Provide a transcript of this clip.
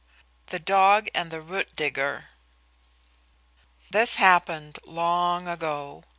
THE DOG AND THE ROOT DIGGER This happened long ago.